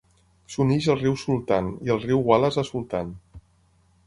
S'uneix al riu Sultan i al riu Wallace a Sultan.